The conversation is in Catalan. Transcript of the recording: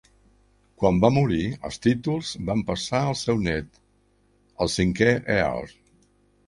Quan va morir, els títols van passar al seu nét, el cinquè Earl.